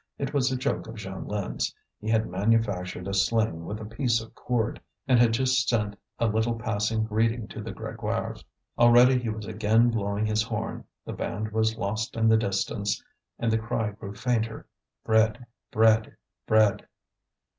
It was a joke of Jeanlin's; he had manufactured a sling with a piece of cord, and had just sent a little passing greeting to the Grégoires. Already he was again blowing his horn, the band was lost in the distance, and the cry grew fainter: "Bread! bread! bread!"